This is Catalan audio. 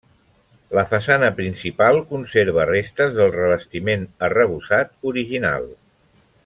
La façana principal conserva restes del revestiment arrebossat original.